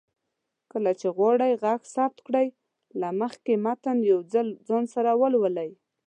کله چې غواړئ غږ ثبت کړئ، له مخکې متن يو ځل ځان سره ولولئ